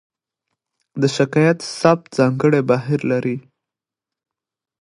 د شکایت ثبت ځانګړی بهیر لري.